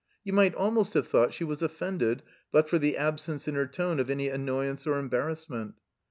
You might almost have thought she was offended but for the absence in her tone of any annoyance or embarrassment.